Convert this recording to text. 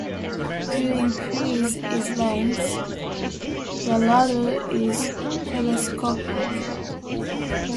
To increase its length, the ladder is telescopic.